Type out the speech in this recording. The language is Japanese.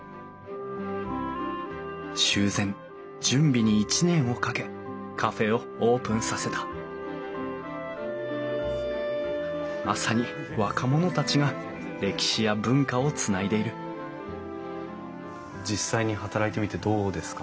修繕準備に１年をかけカフェをオープンさせたまさに若者たちが歴史や文化をつないでいる実際に働いてみてどうですか？